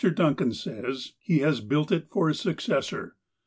Duncan says he has built It for his successor.